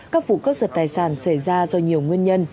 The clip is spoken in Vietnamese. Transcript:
các vụ cướp giật tài sản xảy ra do nhiều nguyên nhân